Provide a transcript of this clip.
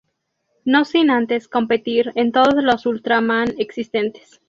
No sin antes competir en todos los Ultraman existentes.